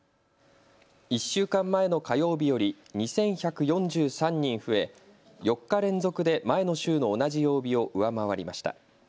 １週間前の火曜日より２１４３人増え４日連続で前の週の同じ曜日を上回りました。